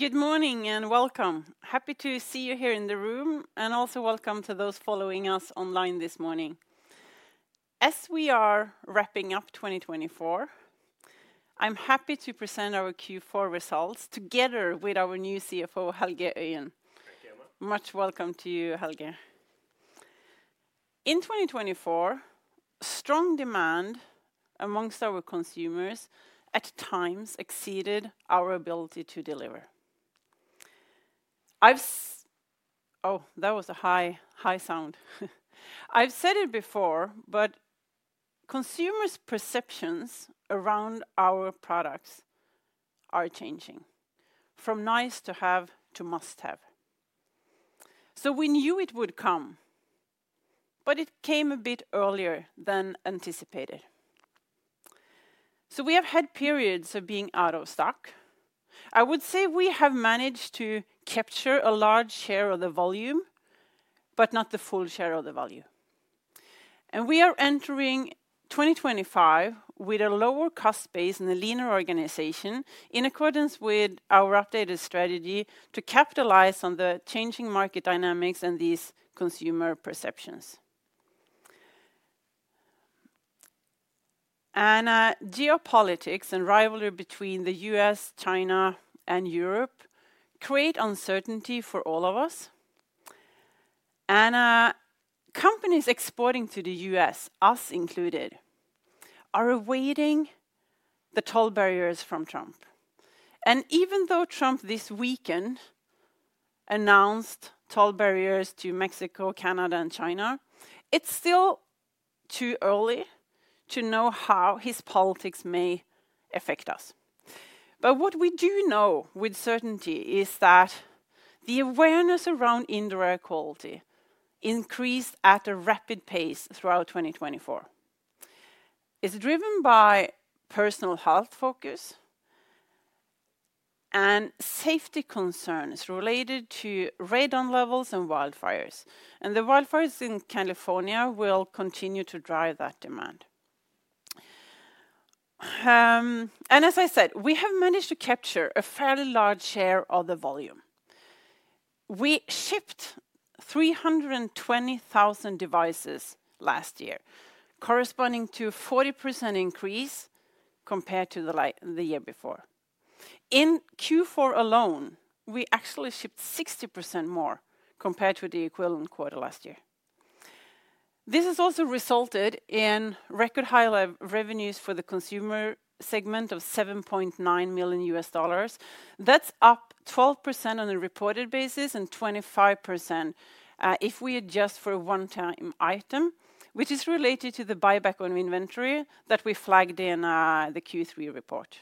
Good morning and welcome. Happy to see you here in the room, and also welcome to those following us online this morning. As we are wrapping up 2024, I'm happy to present our Q4 results together with our new CFO, Helge Øien. Thank you, Emma. Much welcome to you, Helge. In 2024, strong demand amongst our consumers at times exceeded our ability to deliver. That was a high sound. I've said it before, but consumers' perceptions around our products are changing from nice to have to must have. We knew it would come, but it came a bit earlier than anticipated. We have had periods of being out of stock. I would say we have managed to capture a large share of the volume, but not the full share of the volume. We are entering 2025 with a lower cost base and a leaner organization in accordance with our updated strategy to capitalize on the changing market dynamics and these consumer perceptions. Geopolitics and rivalry between the U.S., China, and Europe create uncertainty for all of us. Companies exporting to the U.S., us included, are awaiting the toll barriers from Trump. Even though Trump this weekend announced toll barriers to Mexico, Canada, and China, it's still too early to know how his politics may affect us. What we do know with certainty is that the awareness around indoor air quality increased at a rapid pace throughout 2024. It's driven by personal health focus and safety concerns related to radon levels and wildfires. The wildfires in California will continue to drive that demand. As I said, we have managed to capture a fairly large share of the volume. We shipped 320,000 devices last year, corresponding to a 40% increase compared to the year before. In Q4 alone, we actually shipped 60% more compared to the equivalent quarter last year. This has also resulted in record high revenues for the consumer segment of $7.9 million. That's up 12% on a reported basis and 25% if we adjust for one-time item, which is related to the buyback on inventory that we flagged in the Q3 report.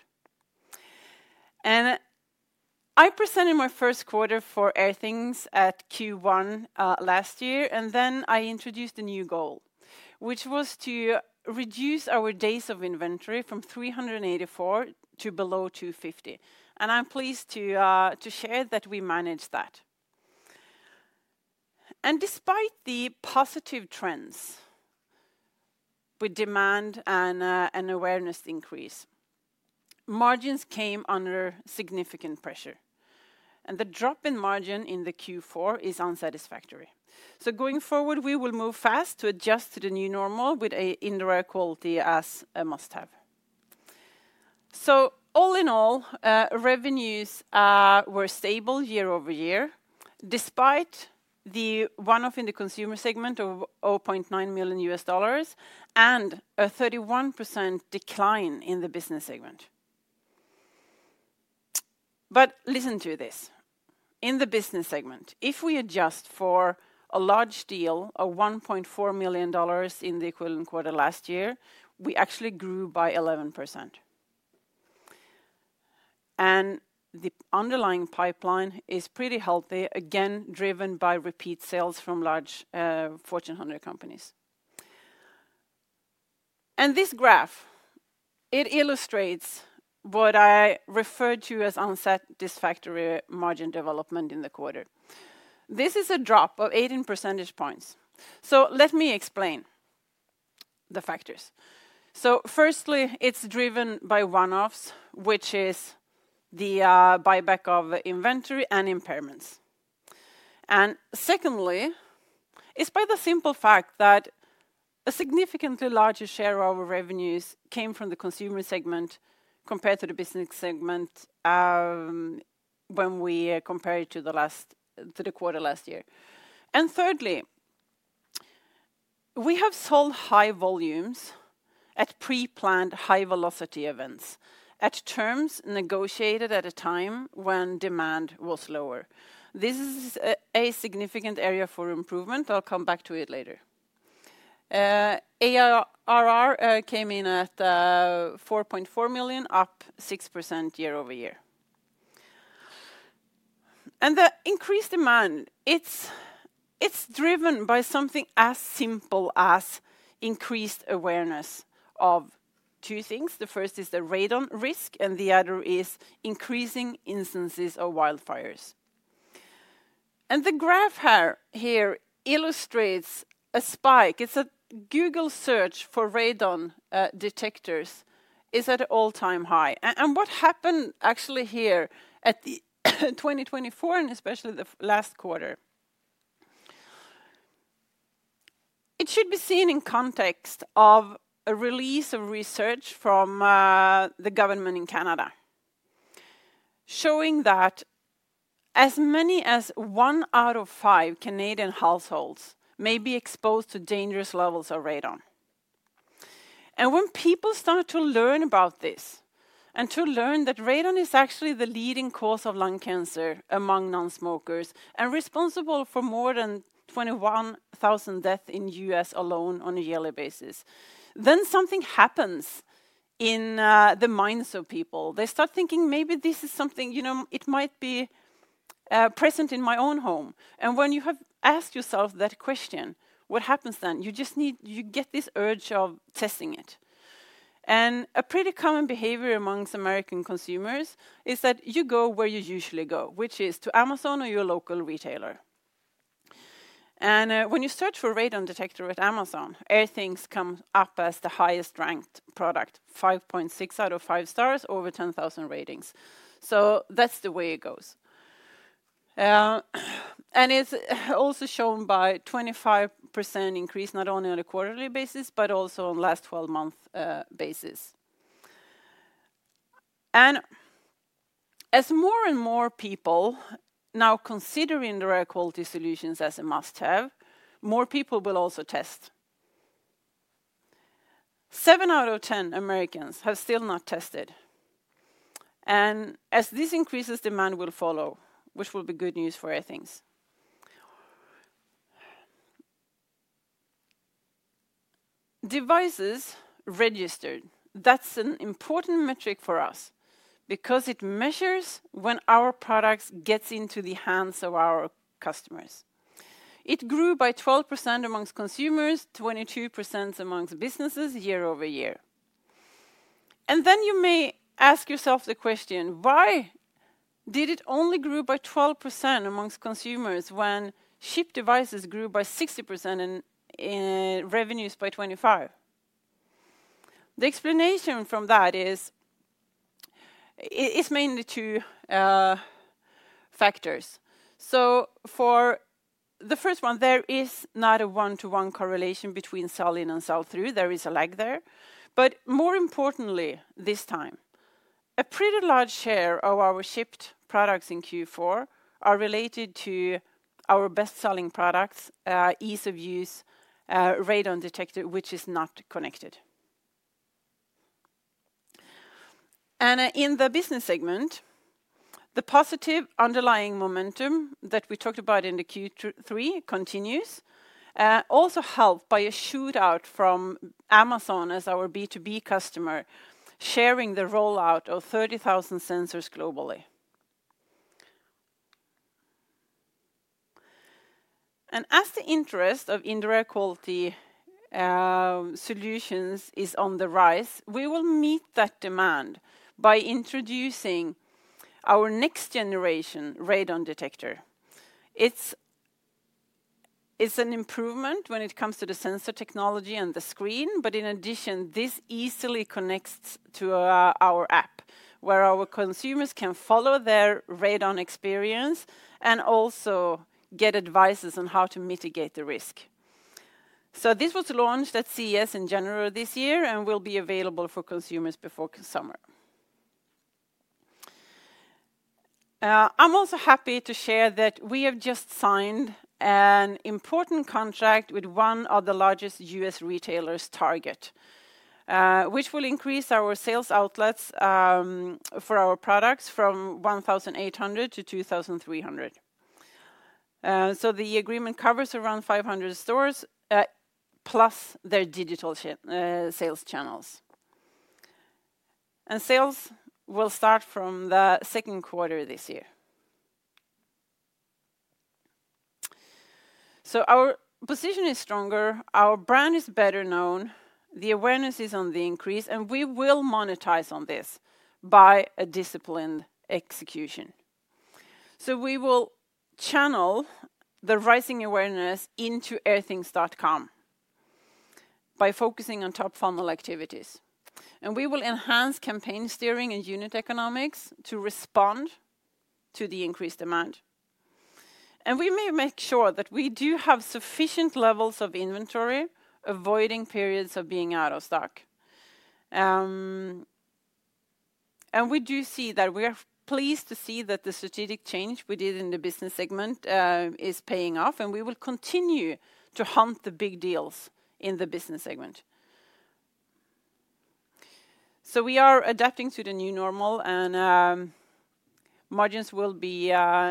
I presented my first quarter for Airthings at Q1 last year, and then I introduced a new goal, which was to reduce our days of inventory from 384 to below 250. I'm pleased to share that we managed that. Despite the positive trends with demand and awareness increase, margins came under significant pressure. The drop in margin in the Q4 is unsatisfactory. Going forward, we will move fast to adjust to the new normal with indoor air quality as a must-have. All in all, revenues were stable year-over-year, despite the one-off in the consumer segment of $0.9 million and a 31% decline in the business segment. Listen to this. In the business segment, if we adjust for a large deal, $1.4 million in the equivalent quarter last year, we actually grew by 11%. The underlying pipeline is pretty healthy, again, driven by repeat sales from large Fortune 100 companies. This graph illustrates what I refer to as unsatisfactory margin development in the quarter. This is a drop of 18 percentage points. Let me explain the factors. Firstly, it is driven by one-offs, which is the buyback of inventory and impairments. Secondly, it's by the simple fact that a significantly larger share of our revenues came from the consumer segment compared to the business segment when we compared it to the quarter last year. Thirdly, we have sold high volumes at pre-planned high velocity events at terms negotiated at a time when demand was lower. This is a significant area for improvement. I'll come back to it later. ARR came in at $4.4 million, up 6% year-over-year. The increased demand, it's driven by something as simple as increased awareness of two things. The first is the radon risk, and the other is increasing instances of wildfires. The graph here illustrates a spike. It's a Google search for radon detectors is at an all-time high. What happened actually here in 2024, especially the last quarter, should be seen in context of a release of research from the government in Canada showing that as many as one out of five Canadian households may be exposed to dangerous levels of radon. When people start to learn about this and to learn that radon is actually the leading cause of lung cancer among nonsmokers and responsible for more than 21,000 deaths in the US alone on a yearly basis, something happens in the minds of people. They start thinking maybe this is something, you know, it might be present in my own home. When you have asked yourself that question, what happens then? You just need, you get this urge of testing it. A pretty common behavior amongst American consumers is that you go where you usually go, which is to Amazon or your local retailer. When you search for radon detector at Amazon, Airthings comes up as the highest ranked product, 5.6 out of five stars over 10,000 ratings. That is the way it goes. It is also shown by a 25% increase not only on a quarterly basis, but also on a last 12-month basis. As more and more people now consider indoor air quality solutions as a must-have, more people will also test. Seven out of ten Americans have still not tested. As this increases, demand will follow, which will be good news for Airthings. Devices registered. That is an important metric for us because it measures when our products get into the hands of our customers. It grew by 12% amongst consumers, 22% amongst businesses year-over-year. You may ask yourself the question, why did it only grow by 12% amongst consumers when shipped devices grew by 60% and revenues by 25%? The explanation for that is it's mainly two factors. For the first one, there is not a one-to-one correlation between sell-in and sell-through. There is a lag there. More importantly this time, a pretty large share of our shipped products in Q4 are related to our best-selling products, ease of use, radon detector, which is not connected. In the business segment, the positive underlying momentum that we talked about in Q3 continues, also helped by a shoutout from Amazon as our B2B customer sharing the rollout of 30,000 sensors globally. As the interest of indoor air quality solutions is on the rise, we will meet that demand by introducing our next generation radon detector. It's an improvement when it comes to the sensor technology and the screen, but in addition, this easily connects to our app where our consumers can follow their radon experience and also get advice on how to mitigate the risk. This was launched at CES in January this year and will be available for consumers before summer. I'm also happy to share that we have just signed an important contract with one of the largest U.S. retailers, Target, which will increase our sales outlets for our products from 1,800 to 2,300. The agreement covers around 500 stores plus their digital sales channels. Sales will start from the second quarter this year. Our position is stronger, our brand is better known, the awareness is on the increase, and we will monetize on this by a disciplined execution. We will channel the rising awareness into airthings.com by focusing on top-funnel activities. We will enhance campaign steering and unit economics to respond to the increased demand. We may make sure that we do have sufficient levels of inventory, avoiding periods of being out of stock. We do see that we are pleased to see that the strategic change we did in the business segment is paying off, and we will continue to hunt the big deals in the business segment. We are adapting to the new normal, and margins will be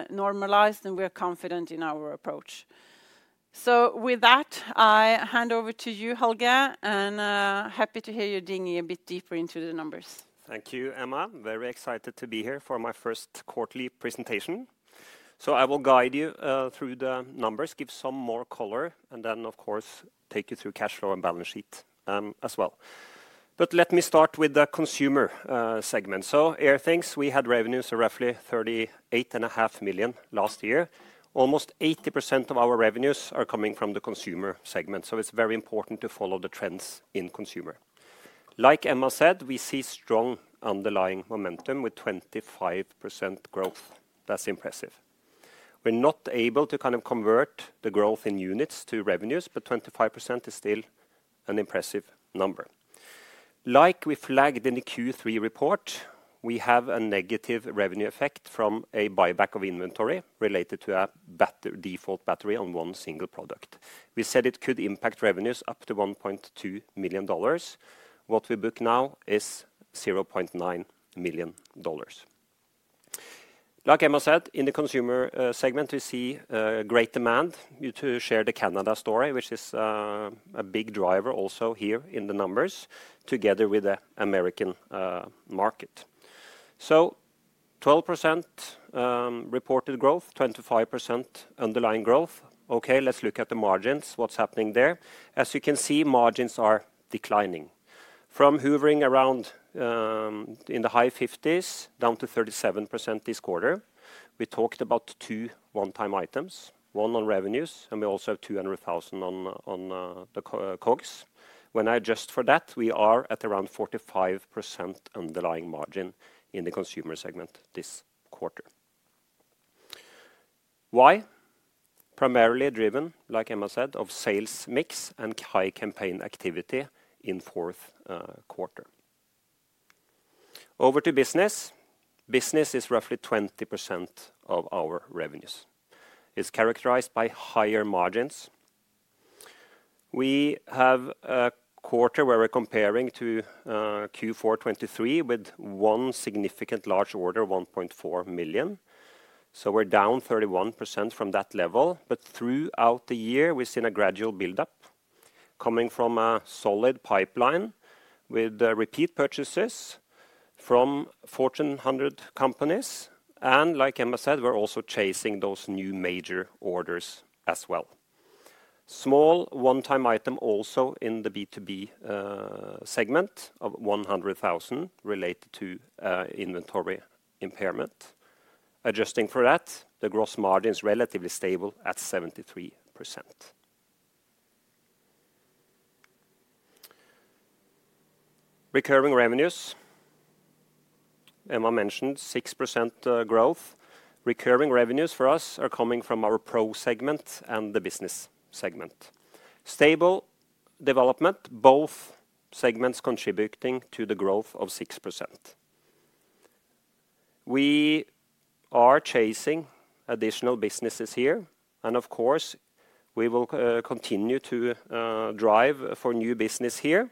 normalized, and we are confident in our approach. With that, I hand over to you, Helge, and happy to hear you digging a bit deeper into the numbers. Thank you, Emma. Very excited to be here for my first quarterly presentation. I will guide you through the numbers, give some more color, and then, of course, take you through cash flow and balance sheet as well. Let me start with the consumer segment. Airthings, we had revenues of roughly $38.5 million last year. Almost 80% of our revenues are coming from the consumer segment. It is very important to follow the trends in consumer. Like Emma said, we see strong underlying momentum with 25% growth. That is impressive. We are not able to kind of convert the growth in units to revenues, but 25% is still an impressive number. Like we flagged in the Q3 report, we have a negative revenue effect from a buyback of inventory related to a default battery on one single product. We said it could impact revenues up to $1.2 million. What we book now is $0.9 million. Like Emma said, in the consumer segment, we see great demand. You shared the Canada story, which is a big driver also here in the numbers together with the American market. 12% reported growth, 25% underlying growth. Okay, let's look at the margins, what's happening there. As you can see, margins are declining from hovering around in the high 50s down to 37% this quarter. We talked about two one-time items, one on revenues, and we also have $200,000 on the COGS. When I adjust for that, we are at around 45% underlying margin in the consumer segment this quarter. Why? Primarily driven, like Emma said, of sales mix and high campaign activity in fourth quarter. Over to business. Business is roughly 20% of our revenues. It's characterized by higher margins. We have a quarter where we're comparing to Q4 2023 with one significant large order, $1.4 million. We are down 31% from that level. Throughout the year, we've seen a gradual build-up coming from a solid pipeline with repeat purchases from Fortune 100 companies. Like Emma said, we're also chasing those new major orders as well. A small one-time item also in the B2B segment of $100,000 related to inventory impairment. Adjusting for that, the gross margin is relatively stable at 73%. Recurring revenues. Emma mentioned 6% growth. Recurring revenues for us are coming from our Pro segment and the business segment. Stable development, both segments contributing to the growth of 6%. We are chasing additional businesses here. Of course, we will continue to drive for new business here.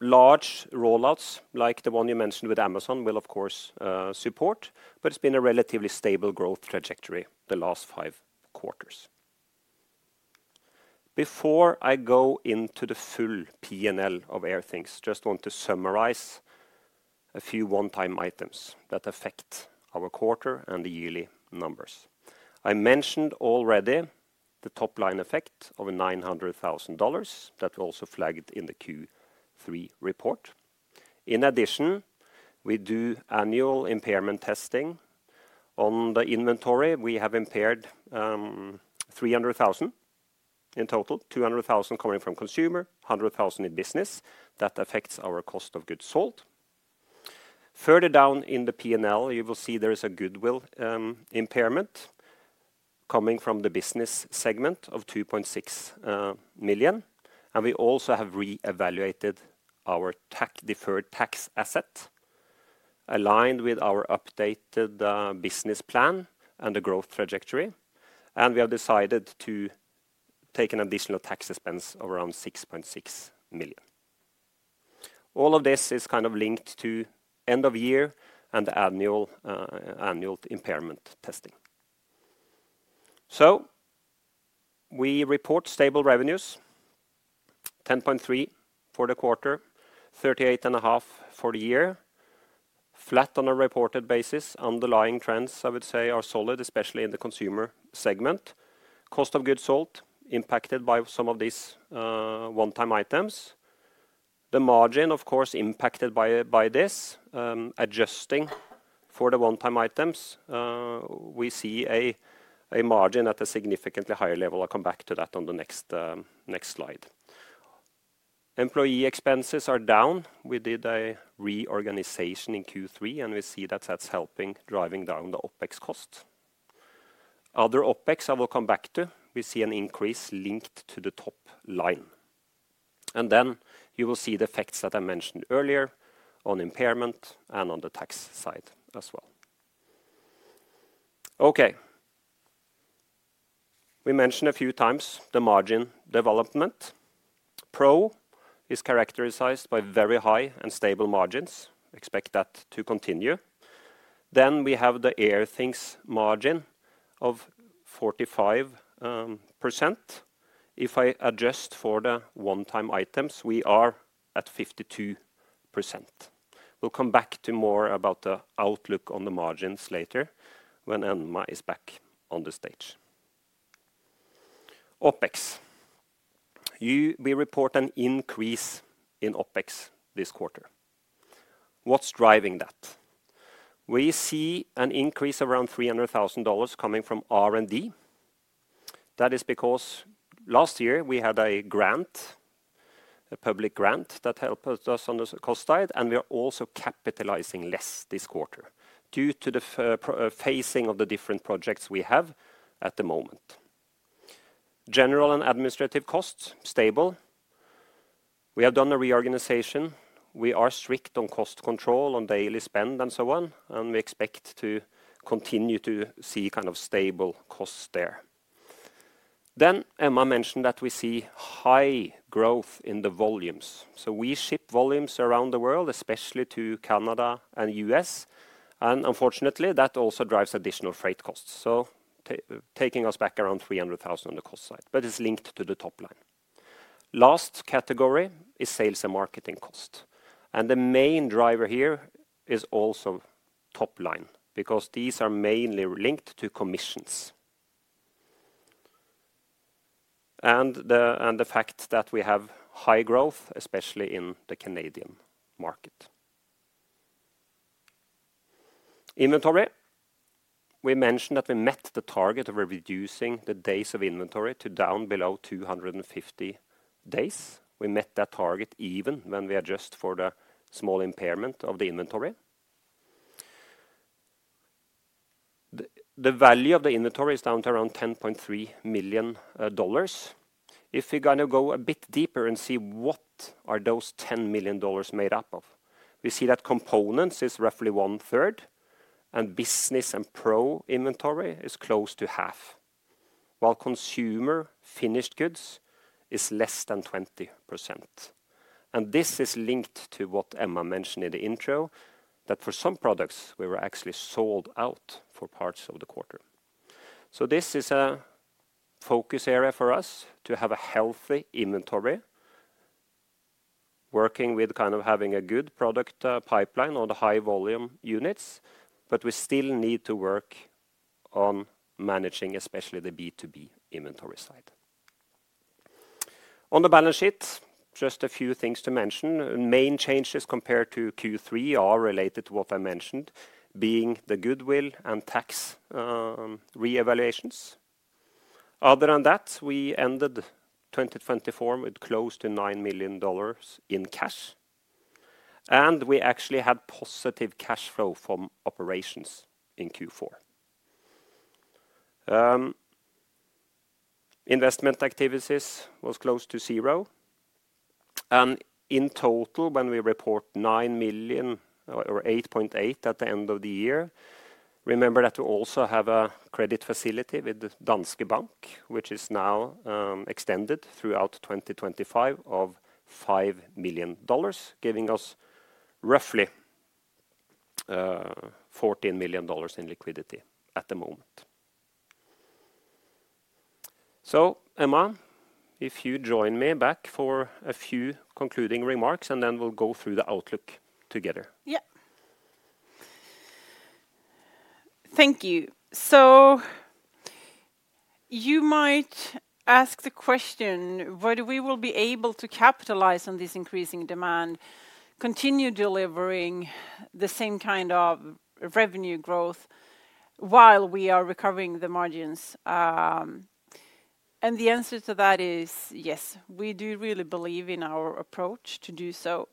Large rollouts like the one you mentioned with Amazon will, of course, support, but it's been a relatively stable growth trajectory the last five quarters. Before I go into the full P&L of Airthings, just want to summarize a few one-time items that affect our quarter and the yearly numbers. I mentioned already the top-line effect of $900,000 that we also flagged in the Q3 report. In addition, we do annual impairment testing on the inventory. We have impaired $300,000 in total, $200,000 coming from consumer, $100,000 in business. That affects our cost of goods sold. Further down in the P&L, you will see there is a goodwill impairment coming from the business segment of $2.6 million. We also have re-evaluated our deferred tax asset aligned with our updated business plan and the growth trajectory. We have decided to take an additional tax expense of around $6.6 million. All of this is kind of linked to end of year and annual impairment testing. We report stable revenues, $10.3 million for the quarter, $38.5 million for the year, flat on a reported basis. Underlying trends, I would say, are solid, especially in the consumer segment. Cost of goods sold impacted by some of these one-time items. The margin, of course, impacted by this. Adjusting for the one-time items, we see a margin at a significantly higher level. I'll come back to that on the next slide. Employee expenses are down. We did a reorganization in Q3, and we see that that's helping driving down the OpEx cost. Other OpEx I will come back to. We see an increase linked to the top line. You will see the effects that I mentioned earlier on impairment and on the tax side as well. Okay. We mentioned a few times the margin development. Pro is characterized by very high and stable margins. Expect that to continue. We have the Airthings margin of 45%. If I adjust for the one-time items, we are at 52%. We will come back to more about the outlook on the margins later when Emma is back on the stage. OpEx. We report an increase in OpEx this quarter. What is driving that? We see an increase of around $300,000 coming from R&D. That is because last year we had a grant, a public grant that helped us on the cost side, and we are also capitalizing less this quarter due to the phasing of the different projects we have at the moment. General and administrative costs, stable. We have done a reorganization. We are strict on cost control, on daily spend, and so on, and we expect to continue to see kind of stable costs there. Emma mentioned that we see high growth in the volumes. We ship volumes around the world, especially to Canada and the U.S., and unfortunately, that also drives additional freight costs. That is taking us back around $300,000 on the cost side, but it is linked to the top line. The last category is sales and marketing cost. The main driver here is also top line because these are mainly linked to commissions, and the fact that we have high growth, especially in the Canadian market. Inventory. We mentioned that we met the target of reducing the days of inventory to down below 250 days. We met that target even when we adjust for the small impairment of the inventory. The value of the inventory is down to around $10.3 million. If we kind of go a bit deeper and see what are those $10 million made up of, we see that components is roughly one-third, and business and pro inventory is close to half, while consumer finished goods is less than 20%. This is linked to what Emma mentioned in the intro, that for some products, we were actually sold out for parts of the quarter. This is a focus area for us to have a healthy inventory, working with kind of having a good product pipeline on the high volume units, but we still need to work on managing, especially the B2B inventory side. On the balance sheet, just a few things to mention. Main changes compared to Q3 are related to what I mentioned, being the goodwill and tax re-evaluations. Other than that, we ended 2024 with close to $9 million in cash, and we actually had positive cash flow from operations in Q4. Investment activities was close to zero. In total, when we report $9 million or $8.8 million at the end of the year, remember that we also have a credit facility with Danske Bank, which is now extended throughout 2025 of $5 million, giving us roughly $14 million in liquidity at the moment. Emma, if you join me back for a few concluding remarks, and then we'll go through the outlook together. Yeah. Thank you. You might ask the question, would we be able to capitalize on this increasing demand, continue delivering the same kind of revenue growth while we are recovering the margins? The answer to that is yes. We do really believe in our approach to do so.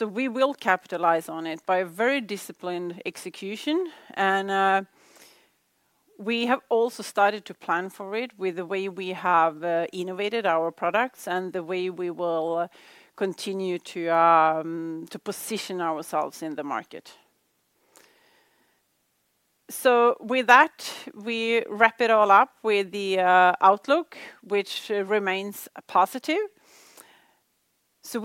We will capitalize on it by a very disciplined execution. We have also started to plan for it with the way we have innovated our products and the way we will continue to position ourselves in the market. With that, we wrap it all up with the outlook, which remains positive.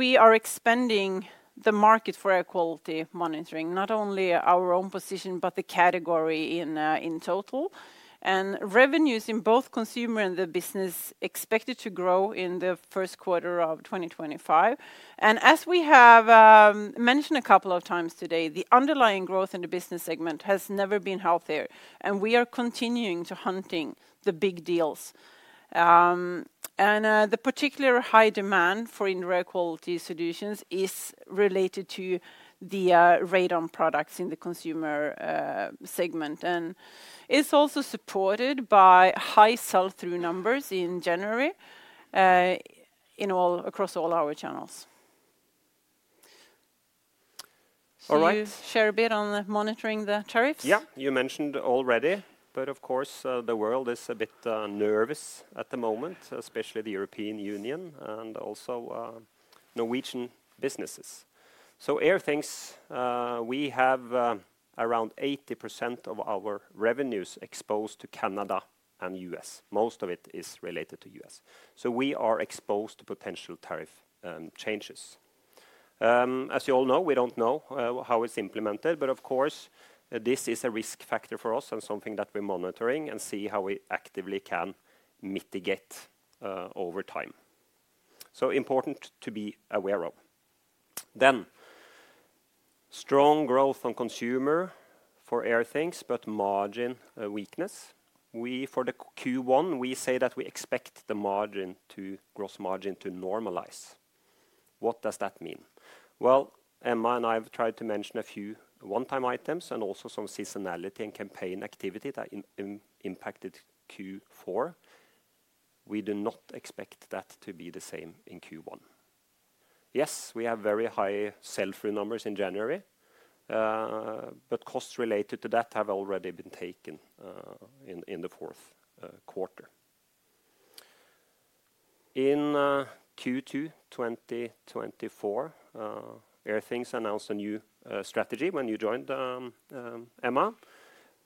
We are expanding the market for air quality monitoring, not only our own position, but the category in total. Revenues in both consumer and the business are expected to grow in the first quarter of 2025. As we have mentioned a couple of times today, the underlying growth in the business segment has never been healthier, and we are continuing to hunt the big deals. The particular high demand for air quality solutions is related to the radon products in the consumer segment, and it is also supported by high sell-through numbers in January across all our channels. All right. Share a bit on monitoring the tariffs. Yeah, you mentioned already, but of course, the world is a bit nervous at the moment, especially the European Union and also Norwegian businesses. Airthings, we have around 80% of our revenues exposed to Canada and the U.S. Most of it is related to the U.S. We are exposed to potential tariff changes. As you all know, we do not know how it is implemented, but of course, this is a risk factor for us and something that we are monitoring and see how we actively can mitigate over time. Important to be aware of. Strong growth on consumer for Airthings, but margin weakness. For Q1, we say that we expect the margin to gross margin to normalize. What does that mean? Emma and I have tried to mention a few one-time items and also some seasonality and campaign activity that impacted Q4. We do not expect that to be the same in Q1. Yes, we have very high sell-through numbers in January, but costs related to that have already been taken in the fourth quarter. In Q2 2024, Airthings announced a new strategy when you joined, Emma,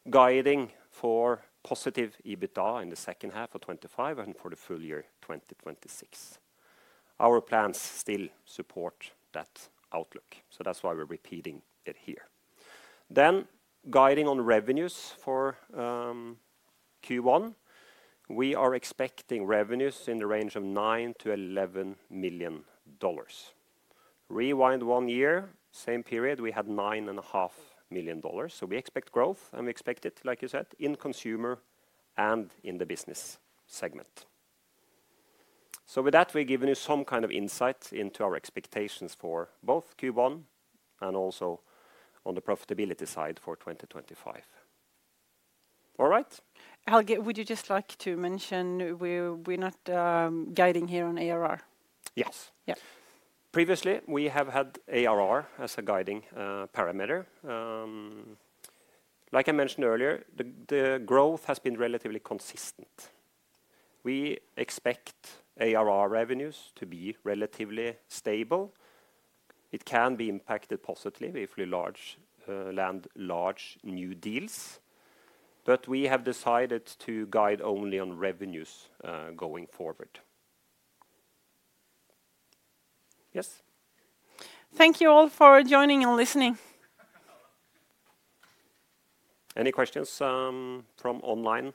guiding for positive EBITDA in the second half of 2025 and for the full year 2026. Our plans still support that outlook, so that's why we're repeating it here. Guiding on revenues for Q1, we are expecting revenues in the range of $9 million-$11 million. Rewind one year, same period, we had $9.5 million. We expect growth, and we expect it, like you said, in consumer and in the business segment. With that, we've given you some kind of insight into our expectations for both Q1 and also on the profitability side for 2025. All right. Helge, would you just like to mention we're not guiding here on ARR? Yes. Yeah. Previously, we have had ARR as a guiding parameter. Like I mentioned earlier, the growth has been relatively consistent. We expect ARR revenues to be relatively stable. It can be impacted positively if we land large new deals, but we have decided to guide only on revenues going forward. Yes? Thank you all for joining and listening. Any questions from online?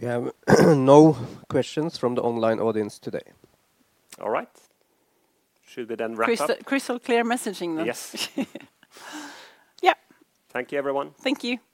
We have no questions from the online audience today. All right. Should we then wrap up? Crystal clear messaging then. Yes. Yeah. Thank you, everyone. Thank you.